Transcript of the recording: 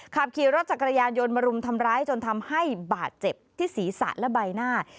ขับขี่รถจักรยานยนต์มารุมทำร้ายจนทำให้บาดเจ็บที่ศีรษะและใบหน้า